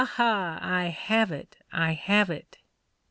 Ha! I have it! I have it!"